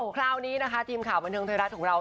คราวนี้นะคะทีมข่าวบันเทิงไทยรัฐของเรา